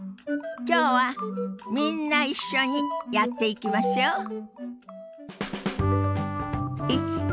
今日はみんな一緒にやっていきましょう。